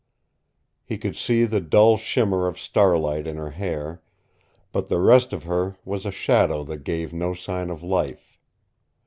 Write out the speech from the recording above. He could see the dull shimmer of starlight in her hair, but the rest of her was a shadow that gave no sign of life.